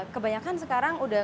kebanyakan sekarang sudah